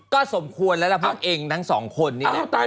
ก็สมควรแล้วล่ะพักเองทั้งสองคนนี้